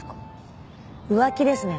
浮気ですね。